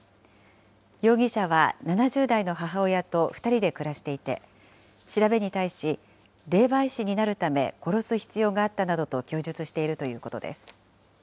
容疑者は７０代の母親と２人で暮らしていて、調べに対し、霊媒師になるため殺す必要があったなどと供述しているということです。